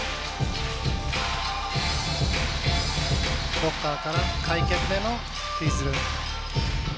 ロッカーから開脚でのツイズル。